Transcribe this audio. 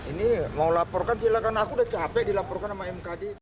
ini mau laporkan silakan aku udah capek dilaporkan sama mkd